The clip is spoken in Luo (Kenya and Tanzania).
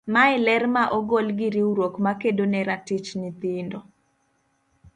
Mae ler ma ogol gi riwruok ma kedo ne ratich nyithindo.